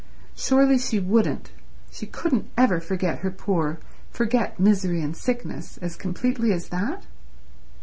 Surely she wouldn't, she couldn't ever forget her poor, forget misery and sickness as completely as that?